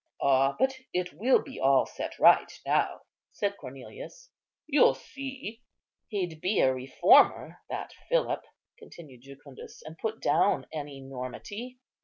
"Ah! but it will be all set right now," said Cornelius, "you'll see." "He'd be a reformer, that Philip," continued Jucundus, "and put down an enormity.